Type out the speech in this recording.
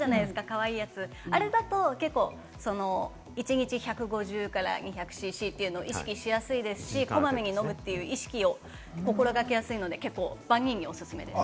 かわいいやつ、あれだと一日１５０から２００ｃｃというのを意識しやすいですし、こまめに飲む意識を心掛けやすいので、万人におすすめです。